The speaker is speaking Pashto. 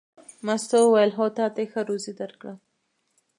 مستو وویل: هو تا ته یې ښه روزي درکړه.